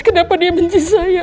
kenapa dia benci saya